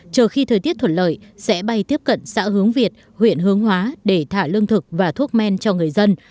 chờ khi thời tiết thuận lợi sẽ bay tiếp cận xã hướng việt huyện hướng hóa để thả lương thực và thuốc men cho người dân